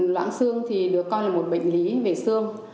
loãng xương được coi là một bệnh lý về xương